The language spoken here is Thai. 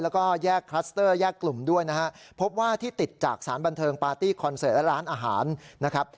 แล้วก็แยกคลัสเตอร์แยกกลุ่มด้วยนะฮะพบว่าที่ติดจากสารบันเทิงปาร์ตี้คอนเสิร์ตและร้านอาหารนะครับ